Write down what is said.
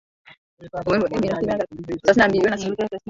Vuguvugu la Tarehe ishirini na sita ya mwezi wa saba